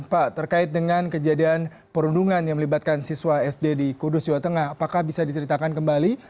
pak terkait dengan kejadian perundungan yang melibatkan siswa sd di kudus jawa tengah apakah bisa diceritakan kembali